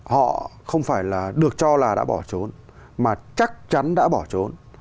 họ không phải là được cho là đã bỏ trốn mà chắc chắn đã bỏ trốn